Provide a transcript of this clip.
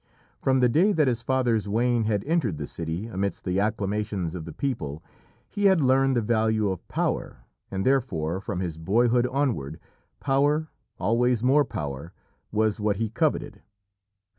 From the day that his father's wain had entered the city amidst the acclamations of the people, he had learned the value of power, and therefore, from his boyhood onward, power, always more power, was what he coveted.